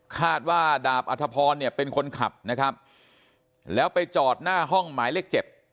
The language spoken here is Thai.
คาดว่าดาบอัธพรเนี่ยเป็นคนขับนะครับแล้วไปจอดหน้าห้องหมายเลขเจ็ด